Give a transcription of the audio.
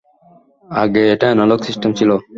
আগে এটা analog system ছিল।